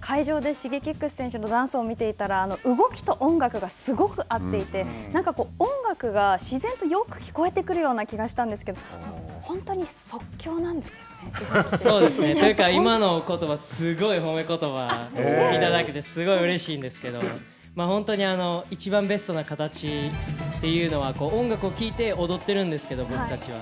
会場でＳｈｉｇｅｋｉｘ選手のダンスを見ていたら、動きと音楽がすごく合っていて、なんか音楽が自然とよく聞こえてくるような気がしたんですけど、本当に即興なそうですね。というか、今のおことば、すごい褒めことば、いただけてすごいうれしいんですけど、本当にいちばんベストな形というのは、音楽を聴いて、踊っているんですけれども、僕たちは。